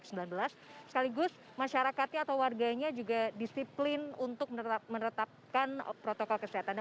sekaligus masyarakatnya atau warganya juga disiplin untuk menetapkan protokol kesehatan